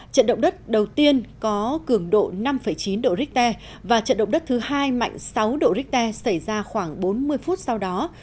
trận động đất đầu tiên có cường độ năm chín độ richter và trận động đất thứ hai mạnh sáu độ richter xảy ra khoảng bốn mươi phút sau đó